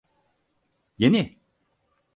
Yeni.